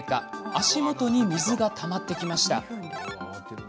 足元に水がたまってきました。